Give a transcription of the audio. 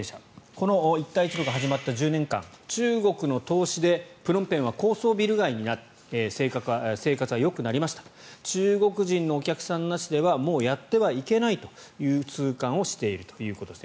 この一帯一路が始まった１０年間中国の投資でプノンペンは高層ビル街になり生活はよくなりました中国人のお客さんなしではもうやってはいけないと痛感しているということです。